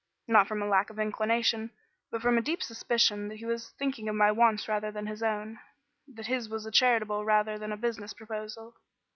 Not from lack of inclination, but from a deep suspicion that he was thinking of my wants rather than his own; that his was a charitable rather than a business proposal.